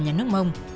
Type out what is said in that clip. nhà nước mông